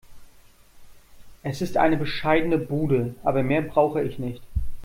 Es ist eine bescheidene Bude, aber mehr brauche ich nicht.